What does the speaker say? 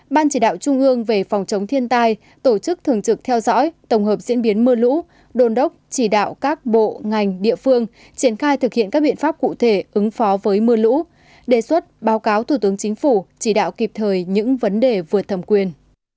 ban chỉ đạo trung ương về phòng chống thiên tai tổ chức thường trực theo dõi tổng hợp diễn biến mưa lũ đồn đốc chỉ đạo các bộ ngành địa phương triển khai thực hiện các biện pháp cụ thể ứng phó với mưa lũ đề xuất báo cáo thủ tướng chính phủ chỉ đạo kịp thời những vấn đề vượt thẩm quyền